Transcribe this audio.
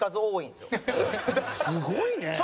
すごいね。